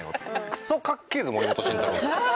クソかっけえぞ森本慎太郎と。